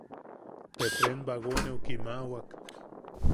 Te tren bagoneu kimaʼawak.